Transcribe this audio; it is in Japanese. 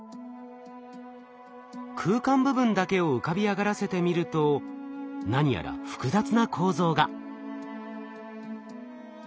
空間部分だけを浮かび上がらせてみると何やら複雑な構造が。